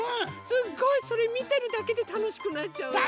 すっごいそれみてるだけでたのしくなっちゃうよね。